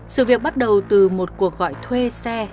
sự việc bắt đầu từ một cuộc gọi thuê xe